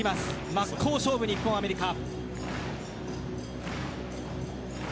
真っ向勝負、日本アメリカ。